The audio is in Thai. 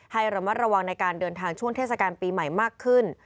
ให้ระมัดระวังในการเดินทางช่วงเทศกาลปีใหม่มากขึ้น